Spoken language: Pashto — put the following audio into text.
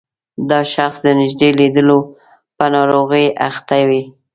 دا شخص د نږدې لیدلو په ناروغۍ اخته وي.